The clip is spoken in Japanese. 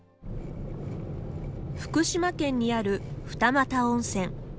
福島県にある二岐温泉。